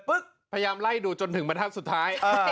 ปึ๊บพยายามไล่ดูจนถึงบททั้งสุดท้าย